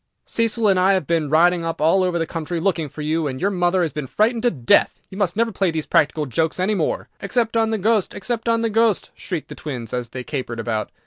"Cecil and I have been riding all over the country looking for you, and your mother has been frightened to death. You must never play these practical jokes any more." "Except on the Ghost! except on the Ghost!" shrieked the twins, as they capered about.